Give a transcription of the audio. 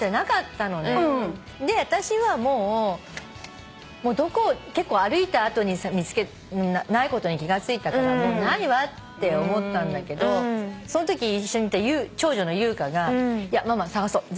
であたしはもう結構歩いた後にないことに気が付いたからもうないわって思ったんだけどそんとき一緒にいた長女の優香が「いやママ捜そう。